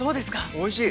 ◆おいしい！